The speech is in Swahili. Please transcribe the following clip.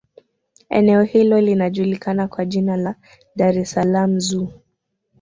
eneo hilo linajukikana kwa jina la dar es salaam zoo